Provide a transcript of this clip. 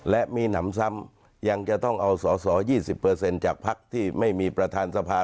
และมีหนำซ้ำยังจะต้องเอาสอสอ๒๐จากพักที่ไม่มีประธานสภา